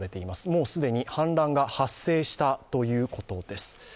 もう既に氾濫が発生したということです。